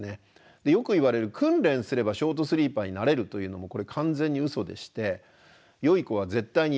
よくいわれる訓練すればショートスリーパーになれるというのもこれ完全にウソでしてよい子は絶対にやめてほしいです。